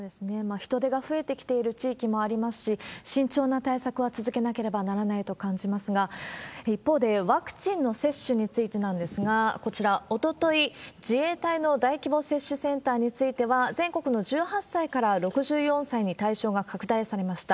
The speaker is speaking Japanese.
人出が増えてきている地域もありますし、慎重な対策は続けなければならないと感じますが、一方で、ワクチンの接種についてなんですが、こちら、おととい、自衛隊の大規模接種センターについては、全国の１８歳から６４歳に対象が拡大されました。